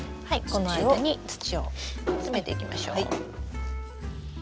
この間に土を詰めていきましょう。